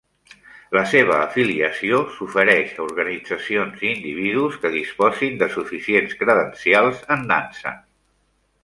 La seva afiliació s'ofereix a organitzacions i individus que disposin de suficients credencials en dansa.